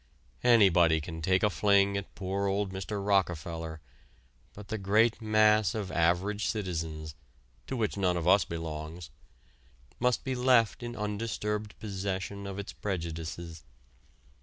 Anybody can take a fling at poor old Mr. Rockefeller, but the great mass of average citizens (to which none of us belongs) must be left in undisturbed possession of its prejudices.